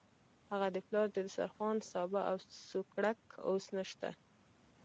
هغه د پلار د دسترخوان سابه او سوکړک اوس نشته.